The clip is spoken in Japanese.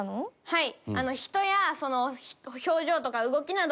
はい。